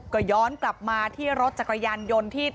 ก็ย้อนกลับมาที่รถจักรยานยนต์ที่